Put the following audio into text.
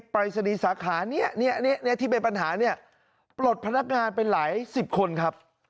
ปรายศนีย์สาขานี้ที่เป็นปัญหาเนี่ยปลดพนักงานไปหลายสิบคนครับ